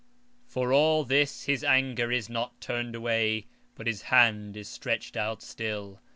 For all this his anger is not turned away, but his hand is stretched out still.